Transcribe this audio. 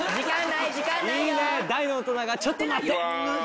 大の大人が「ちょっと待って！」。